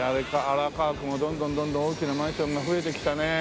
荒川区もどんどんどんどん大きなマンションが増えてきたね。